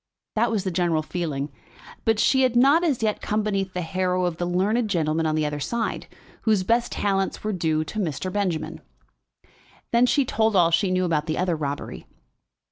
That was the general feeling. But she had not as yet come beneath the harrow of the learned gentleman on the other side, whose best talents were due to Mr. Benjamin. Then she told all she knew about the other robbery.